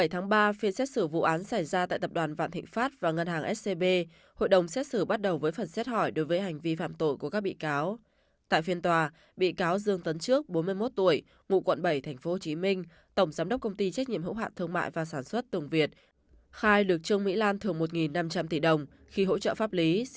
hãy đăng ký kênh để nhận thông tin nhất